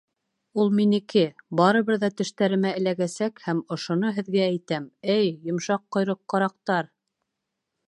Ул — минеке, барыбер ҙә тештәремә эләгәсәк һәм ошоно һеҙгә әйтәм, эй, йомшаҡ ҡойроҡ ҡараҡтар!